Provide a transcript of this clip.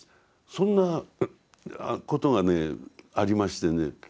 そんなことがねありましてね